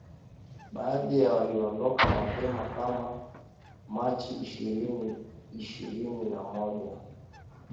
Baadhi waliondoka mapema kama Machi ishirini ishirini na moja